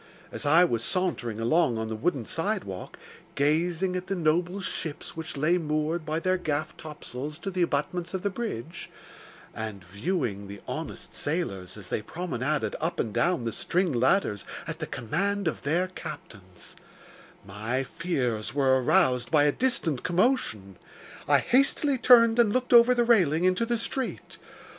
As I was sauntering along on the wooden sidewalk, gazing at the noble ships which lay moored by their gaff topsails to the abutments of the bridge, and viewing the honest sailors as they promenaded up and down the string ladders at the command of their captains, my fears were aroused by a distant commotion. I hastily turned and looked over the railing into the street.